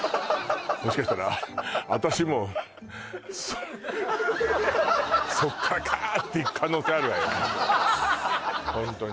もしかしたら私もうそっからカーッて行く可能性あるわよ